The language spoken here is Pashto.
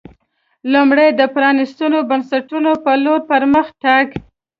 لومړی د پرانېستو بنسټونو په لور پر مخ تګ